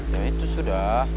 ya itu sudah